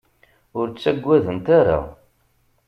Ur ttaggadent ara.